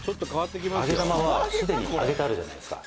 「揚げ玉はすでに揚げてあるじゃないですか」